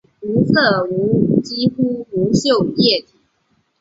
无色几乎无臭液体。